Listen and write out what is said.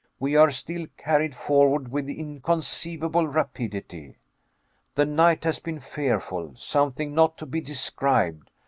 We are still carried forward with inconceivable rapidity. The night has been fearful, something not to be described.